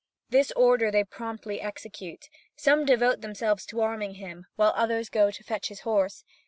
This order they promptly execute: some devote themselves to arming him, while others go to fetch his horse.